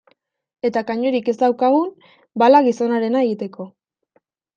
Eta kanoirik ez daukagun, bala gizonarena egiteko.